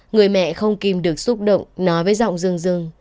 người mẹ không kim được xúc động nói với giọng rừng rừng